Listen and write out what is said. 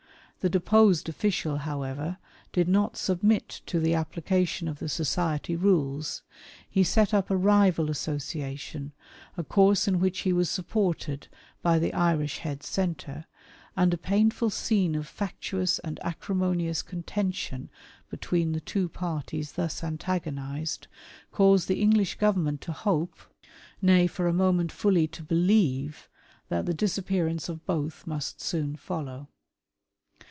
The deposed official^ however, did not submit to " the application of the society rules. He set up a rival " association, a course in which he was supported by the " Irish Head Centre ; and a painful scene of factious and " acrimonious, contention between the two parties thus "antagonised, caused the English Government to hope — nay, FENIANISM. 143 '' for a moment, fully to believe — that the disappearance of " both must soon follow."